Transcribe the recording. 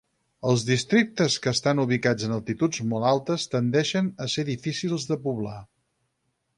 Els districtes que estan ubicats en altituds molt altes tendeixen per ser difícils de poblar.